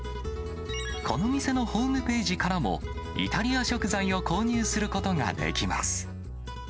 この店のホームページからもイタリア食材を購入することができます。